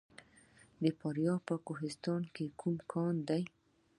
د فاریاب په کوهستان کې کوم کان دی؟